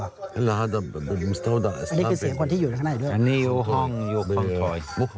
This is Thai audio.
อันนี้คือเสียงคนที่อยู่ข้างในด้วย